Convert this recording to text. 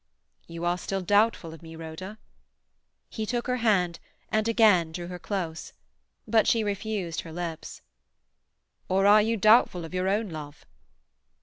"You are still doubtful of me, Rhoda?" He took her hand, and again drew her close. But she refused her lips. "Or are you doubtful of your own love?"